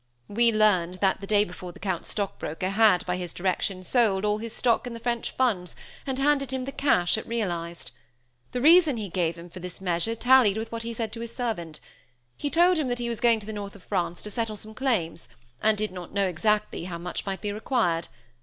We learned that the day before the Count's stockbroker had, by his direction, sold all his stock in the French funds, and handed him the cash it realized. The reason he gave him for this measure tallied with what he said to his servant. He told him that he was going to the north of France to settle some claims, and did not know exactly how much might be required.